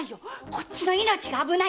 こっちの命が危ないんだよ。